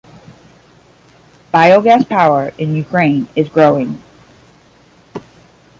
Biogas power in Ukraine is growing.